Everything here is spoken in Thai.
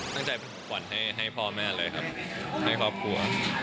ตั้งใจเป็นของขวัญให้พ่อแม่เลยครับให้ครอบครัว